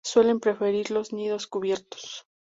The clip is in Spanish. Suelen preferir los nidos cubiertos.